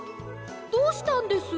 どうしたんです？